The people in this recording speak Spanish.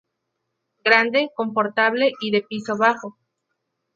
Grande, confortable y de piso bajo.